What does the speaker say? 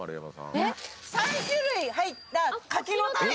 ３種類入った柿の種。